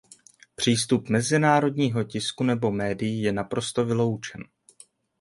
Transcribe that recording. Přístup mezinárodního tisku nebo médií je naprosto vyloučen.